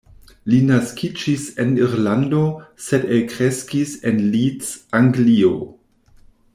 Li naskiĝis en Irlando, sed elkreskis en Leeds, Anglio.